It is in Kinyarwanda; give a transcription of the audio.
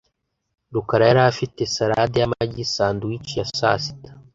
rukara yari afite salade yamagi sandwich ya sasita .